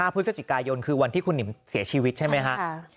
พฤศจิกายนคือวันที่คุณหิมเสียชีวิตใช่ไหมฮะ